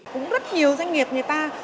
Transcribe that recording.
cũng rất nhiều doanh nghiệp người ta